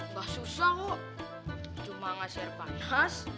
gak susah kok cuma gak siar panas